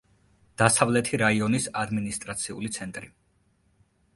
დასავლეთი რაიონის ადმინისტრაციული ცენტრი.